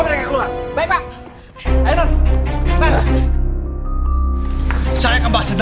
karena kamu sudah masuk rumah saya tanpa izin dan memfitnah anak saya